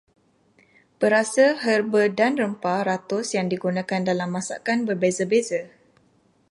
Perasa, herba dan rempah ratus yang digunakan dalam masakan berbeza-beza.